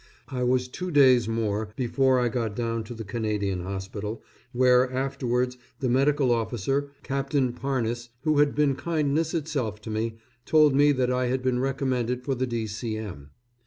I was two days more before I got down to the Canadian Hospital, where, afterwards, the medical officer, Captain Parnis, who had been kindness itself to me, told me that I had been recommended for the D.C.M.